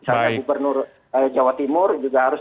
misalnya gubernur jawa timur juga harus